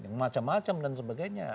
yang macam macam dan sebagainya